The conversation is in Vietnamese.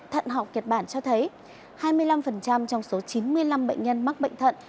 thận học kịch bản cho thấy hai mươi năm trong số chín mươi năm bệnh nhân mắc bệnh thận